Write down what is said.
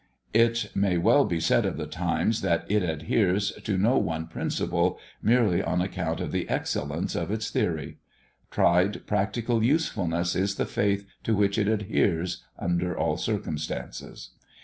It may well be said of the Times, that it adheres to no one principle, merely on account of the excellence of its theory. Tried practical usefulness is the faith to which it adheres under all circumstances.